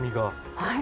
はい。